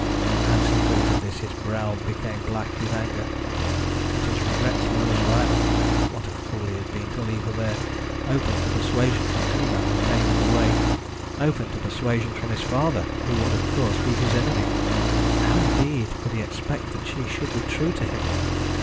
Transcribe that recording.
As he thought of this, his brow became black with anger. But his regrets were as violent. What a fool he had been to leave her there, open to persuasion from any man who came in the way, open to persuasion from his father, who would, of course, be his enemy. How, indeed, could he expect that she should be true to him?